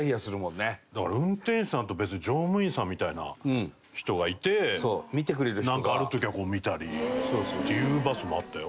だから運転手さんと別に乗務員さんみたいな人がいてなんかある時はこう見たりっていうバスもあったよ。